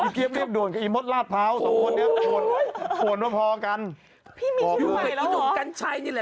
พี่มีชื่อใหม่แล้วเหรอ